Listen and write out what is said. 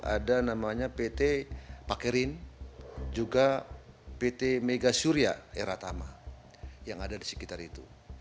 ada namanya pt pakerin juga pt mega surya eratama yang ada di sekitar itu